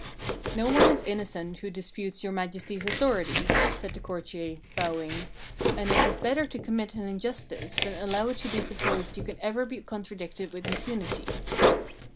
"No one is innocent who disputes Your Majesty's authority," said the courtier, bowing; "and it is better to commit an injustice than allow it to be supposed you can ever be contradicted with impunity."